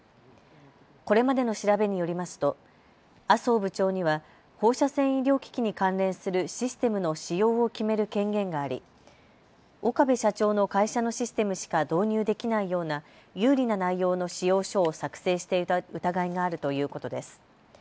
これまでの調べによりますと、麻生部長には放射線医療機器に関連するシステムの仕様を決める権限があり、岡部社長の会社のシステムしか導入できないような有利な内容の仕様書を作成していた疑いがあるということです。